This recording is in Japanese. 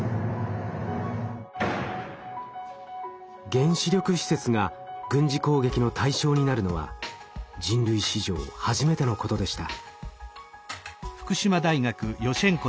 原子力施設が軍事攻撃の対象になるのは人類史上初めてのことでした。